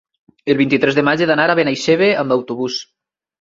El vint-i-tres de maig he d'anar a Benaixeve amb autobús.